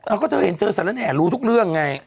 เราก็เจอแสดงแห่งรู้ทุกเรื่องไง